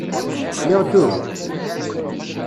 Nniɣ-d uhu.